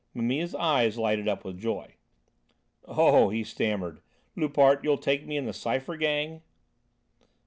Mimile's eyes lighted up with joy. "Oh!" he stammered, "Loupart, you'll take me in the Cypher gang?"